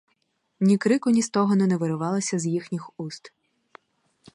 Ні крику, ні стогону не вирвалося з їхніх уст.